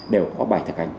đều có bài thực hành